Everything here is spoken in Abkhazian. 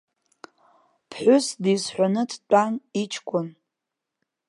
Ԥҳәыс дизҳәаны дтәан иҷкәын.